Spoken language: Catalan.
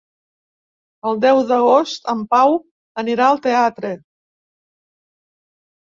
El deu d'agost en Pau anirà al teatre.